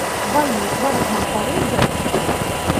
Vai jūs varat man palīdzēt?